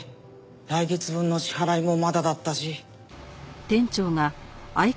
来月分の支払いもまだだったし。